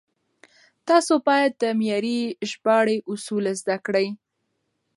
تاسو بايد د معياري ژباړې اصول زده کړئ.